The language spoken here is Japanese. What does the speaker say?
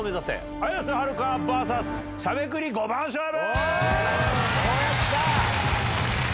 綾瀬はるかｖｓしゃべくり５番勝負」。